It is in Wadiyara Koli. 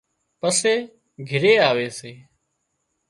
پسي گھري آوي سي